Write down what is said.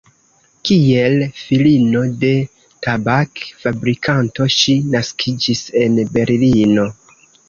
Kiel filino de tabak-fabrikanto ŝi naskiĝis en Berlino.